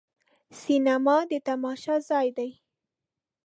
سینما د تماشا ځای دی.